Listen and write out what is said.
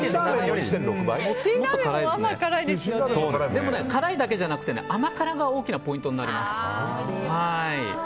でも、辛いだけじゃなくて甘辛が大きなポイントになります。